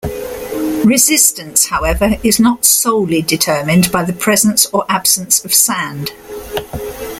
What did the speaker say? Resistance, however, is not "solely" determined by the presence or absence of sand.